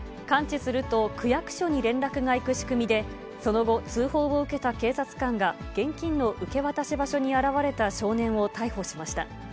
感知すると区役所に連絡が行く仕組みで、その後、通報を受けた警察官が、現金の受け渡し場所に現れた少年を逮捕しました。